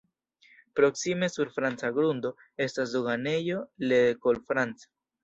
Proksime sur franca grundo estas doganejo "Le Col France".